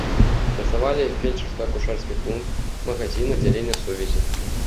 Працавалі фельчарска-акушэрскі пункт, магазін, аддзяленне сувязі.